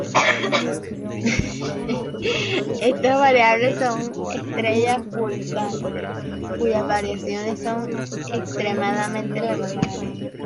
Estas variables son estrellas pulsantes cuyas variaciones son extremadamente regulares.